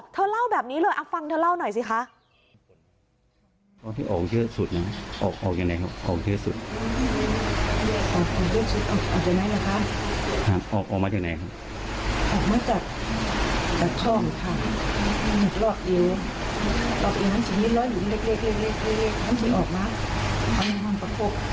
เธอเล่าแบบนี้เลยฟังเธอเล่าหน่อยสิคะ